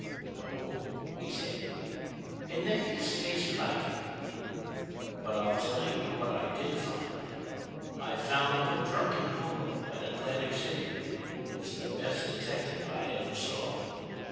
"No," he said; and then his face lighted. "But I'll tell you what I did find. I found a drunken hobo at Atlantic City who was the best detective I ever saw."